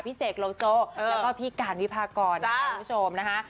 เสกโลโซแล้วก็พี่การวิพากรนะคะคุณผู้ชมนะคะ